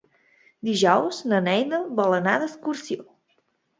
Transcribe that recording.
Dijous na Neida vol anar d'excursió.